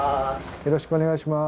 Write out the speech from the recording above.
よろしくお願いします。